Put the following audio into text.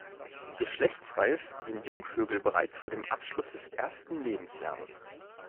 Geschlechtsreif sind Jungvögel bereits vor dem Abschluss des ersten Lebensjahres.